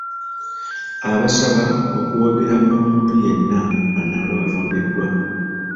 Abasaba okuwagira omuntu yenna anaaba alondeddwa.